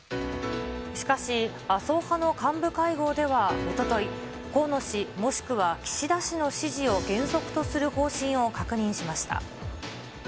しかし、麻生派の幹部会合ではおととい、河野氏もしくは岸田氏の支持を原則とする方針を確認しました。